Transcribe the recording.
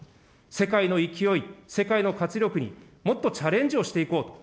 世界の勢い、世界の活力にもっとチャレンジをしていこうと。